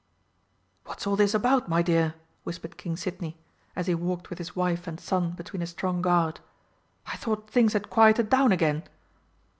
"What's all this about, my dear?" whispered King Sidney, as he walked with his wife and son between a strong guard. "I thought things had quieted down again."